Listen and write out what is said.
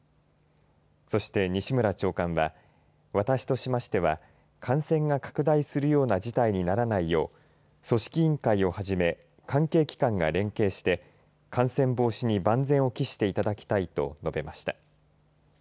そして西村長官は私としましては感染が拡大するような事態にならないよう組織委員会をはじめ関係機関が連携して感染防止に万全を期してもらいたいと述べました。